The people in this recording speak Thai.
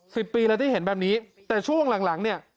สิบปีแล้วที่เห็นแบบนี้แต่ช่วงหลังหลังเนี่ย